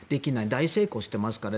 大成功してますから。